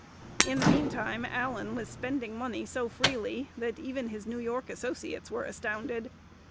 In the meantime Allan was spending money so freely that even his New York associates were astounded.